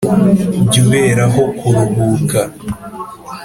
Jya uberaho kuruhuka.